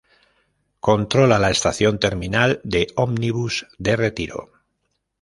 Controla la Estación Terminal de Ómnibus de Retiro.